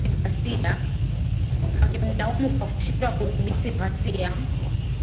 wakimlaumu kwa kushindwa kudhibiti ghasia